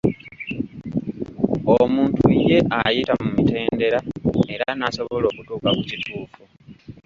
Omuntu ye ayita mu mitendera era n'asobola okutuuka ku kituufu.